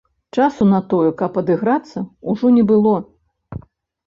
Часу на тое, каб адыграцца, ужо не было.